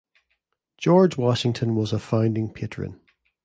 George Washington was a founding patron.